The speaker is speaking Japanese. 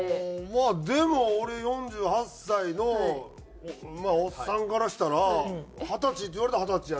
まあでも俺４８歳のおっさんからしたら二十歳って言われたら二十歳やし。